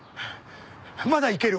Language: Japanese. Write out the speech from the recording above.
まだいける。